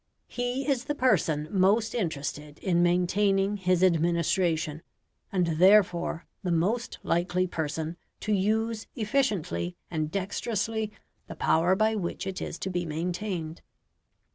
He is the person most interested in maintaining his administration, and therefore the most likely person to use efficiently and dexterously the power by which it is to be maintained.